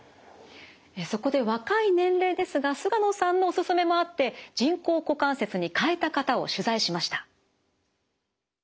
そこで若い年齢ですが菅野さんのお勧めもあって人工股関節に換えた方を取材しました。